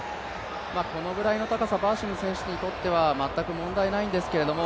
このぐらいの高さ、バーシム選手にとっては全く問題ないんですけれども